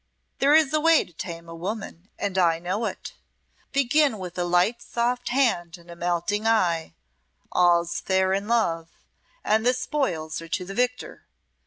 There is a way to tame a woman and I know it. Begin with a light soft hand and a melting eye all's fair in love; and the spoils are to the victor.